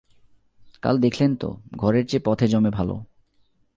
কাল দেখলেন তো ঘরের চেয়ে পথে জমে ভালো।